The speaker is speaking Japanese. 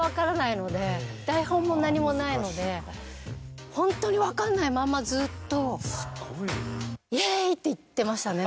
台本も何もないのでホントに分かんないままずっと。って言ってましたね